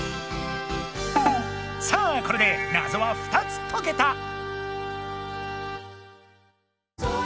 さあこれでナゾは２つ解けた！